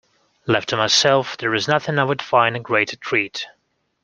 Left to myself, there is nothing I would find a greater treat.